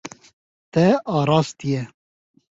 Te arastiye.